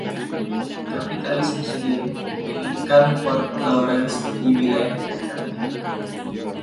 Kapitalis Michigan menginginkan Port Lawrence di wilayah “mereka”.